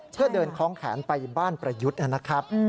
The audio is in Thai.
เพื่อเดินคล้องแขนไปบ้านประยุทธ์นะครับ